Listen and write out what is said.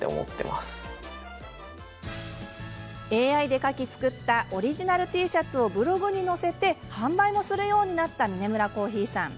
ＡＩで描き作ったオリジナルＴシャツをブログに載せ販売もするようになったミネムラコーヒーさん。